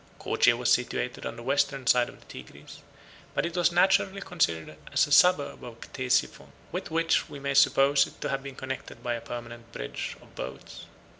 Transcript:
Coche was situate on the western side of the Tigris; but it was naturally considered as a suburb of Ctesiphon, with which we may suppose it to have been connected by a permanent bridge of boats.